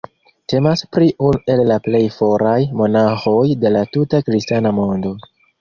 Temas pri unu el la plej foraj monaĥoj de la tuta kristana mondo.